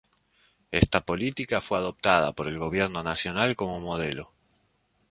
Esta política fue adoptada por el Gobierno Nacional como modelo.